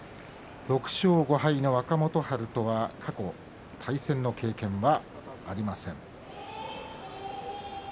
６勝５敗の若元春とは過去対戦の経験がありません。